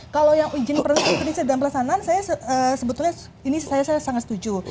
kalau yang izin prinsip dan pelaksanaan saya sebetulnya ini saya sangat setuju